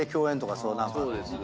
そうですね。